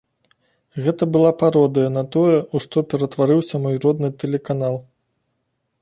Гэта была пародыя на тое, у што ператварыўся мой родны тэлеканал.